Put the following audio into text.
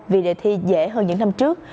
vì đề thi dễ hơn những năm trước